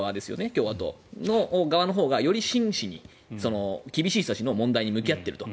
共和党の側のほうがより真摯に厳しい問題に向き合っていると。